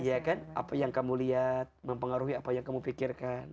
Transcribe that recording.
iya kan apa yang kamu lihat mempengaruhi apa yang kamu pikirkan